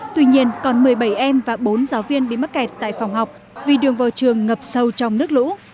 tuy nhiên còn một mươi bảy em và bốn giáo viên bị mắc kẹt tại phòng học vì đường vào trường ngập sâu trong nước lũ